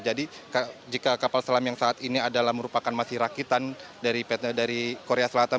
jadi jika kapal selam yang saat ini adalah merupakan masih rakitan dari korea selatan